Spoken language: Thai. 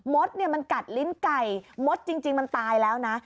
ดเนี่ยมันกัดลิ้นไก่มดจริงมันตายแล้วนะ